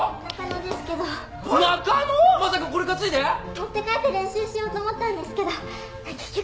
持って帰って練習しようと思ったんですけど結局時間なくて。